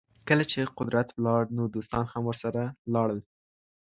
کله چي قدرت ولاړ نو دوستان هم ورسره لاړل.